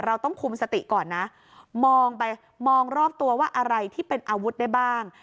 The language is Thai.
เราต้องคุมสติก่อนนะมองไปมองรอบตัวว่าอะไรที่เป็นอาวุธได้บ้าง